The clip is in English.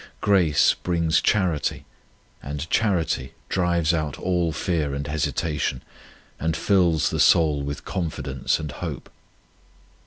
Grace brings charity, and charity drives out all fear and hesitation, and fills the soul with confidence and hope.